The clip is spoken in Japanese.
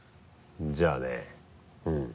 じゃあね。